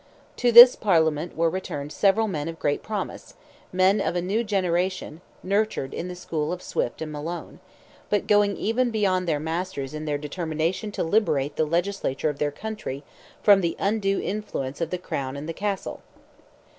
To this Parliament were returned several men of great promise, men of a new generation, nurtured in the school of Swift and Malone, but going even beyond their masters in their determination to liberate the legislature of their country from the undue influence of the crown and the castle.